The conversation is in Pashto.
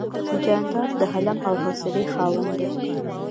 جانداد د حلم او حوصلې خاوند دی.